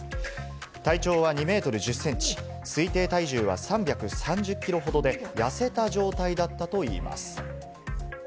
体長は２ｍ１０ｃｍ、推定体重は３３０ｋｇほどで、痩せた状態だったといいます。